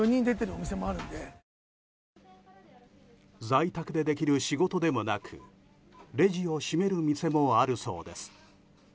在宅でできる仕事でもなくレジを閉める店もあるそうです。